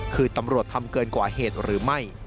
คือตำรวจทำเกินกว่าเหตุหรือไม่